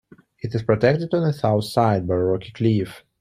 It is protected on its south side by a rocky cliff.